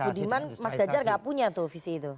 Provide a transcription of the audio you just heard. tapi menurut mas budiman mas gajar gak punya tuh visi itu